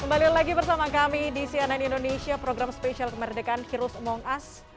kembali lagi bersama kami di cnn indonesia program spesial kemerdekaan heroes mong us